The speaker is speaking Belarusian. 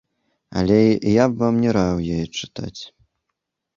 Але я б вам не раіў яе чытаць.